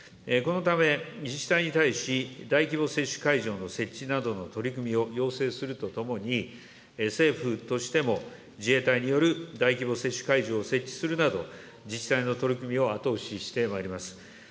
このため、自治体に対し、大規模接種会場の設置などの取り組みを要請するとともに、政府としても、自衛隊による大規模接種会場を設置するなど、自治体の取り組みを後押ししてまいります。